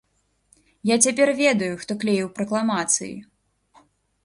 Я цяпер ведаю, хто клеіў пракламацыі!